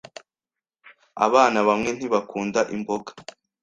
Abana bamwe ntibakunda imboga.